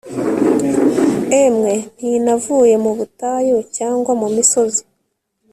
emwe ntinavuye mu butayu cyangwa mu misozi